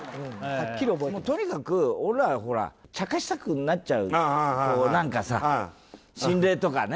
もうとにかく俺らは茶化したくなっちゃう何かさ心霊とかね